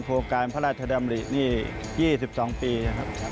โครงการพระราชดำรินี่๒๒ปีนะครับ